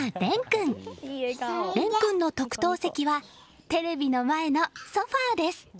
煉君の特等席はテレビの前のソファです。